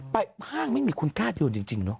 ไปห้างไม่มีคนกล้าเดินจริงเนอะ